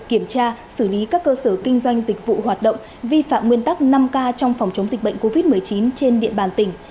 kiểm tra xử lý các cơ sở kinh doanh dịch vụ hoạt động vi phạm nguyên tắc năm k trong phòng chống dịch bệnh covid một mươi chín trên địa bàn tỉnh